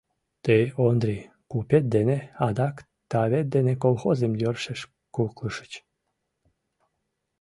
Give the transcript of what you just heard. Тый, Ондрий, купет дене, адак тавет дене колхозым йӧршеш куклышыч.